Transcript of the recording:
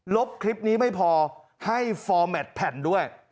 บคลิปนี้ไม่พอให้ฟอร์แมทแผ่นด้วย